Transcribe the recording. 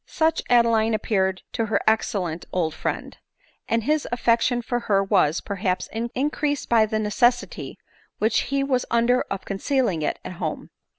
Such Adeline appeared to her excellent old friend ; and his affection for her was, perhaps, increased by the necessity which he was under of concealing.it at home.